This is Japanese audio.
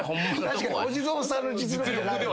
確かにお地蔵さんの実力じゃない。